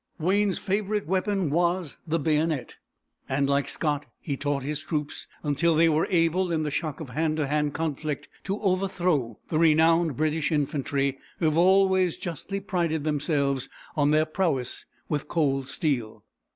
Wayne's favorite weapon was the bayonet, and, like Scott he taught his troops, until they were able in the shock of hand to hand conflict to overthrow the renowned British infantry, who have always justly prided themselves on their prowess with cold steel.